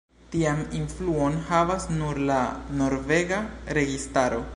Tian influon havas nur la norvega registaro.